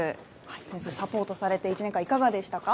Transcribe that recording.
先生、サポートされて１年間、いかがでしたか。